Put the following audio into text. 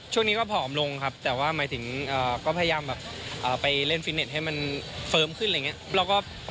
ช่วงนี้ก็ผอมลงครับแต่ว่าหมายถึงก็พยายามแบบไปเล่นฟิตเน็ตให้มันเฟิร์มขึ้นอะไรอย่างนี้